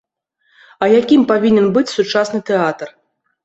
А якім павінен быць сучасны тэатр?